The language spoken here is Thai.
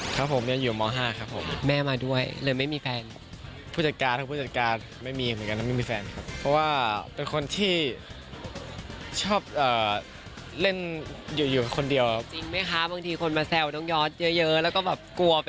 ต่อเล่นกันแกล้งกันเฉยครับ